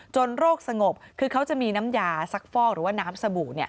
โรคสงบคือเขาจะมีน้ำยาซักฟอกหรือว่าน้ำสบู่